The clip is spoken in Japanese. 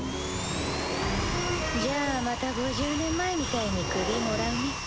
じゃあまた５０年前みたいに首もらうね。